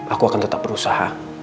aku akan tetap berusaha